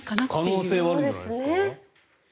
可能性はあるんじゃないですか？